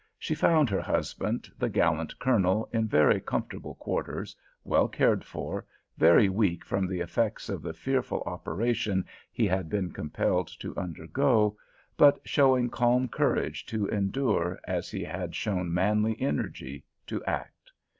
She found her husband, the gallant Colonel, in very comfortable quarters, well cared for, very weak from the effects of the fearful operation he had been compelled to undergo, but showing calm courage to endure as he had shown manly energy to act.